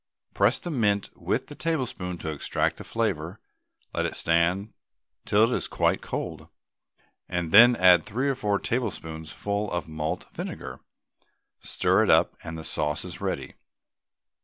Press the mint with a tablespoon to extract the flavour, let it stand till it is quite cold, and then add three or four tablespoonfuls of malt vinegar, stir it up, and the sauce is ready.